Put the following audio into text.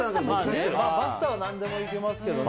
パスタは何でもいけますけどね。